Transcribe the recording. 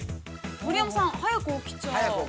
盛山さん早く起きちゃう。